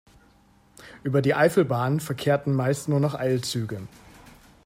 Über die Eifelbahn verkehrten meist nur noch Eilzüge.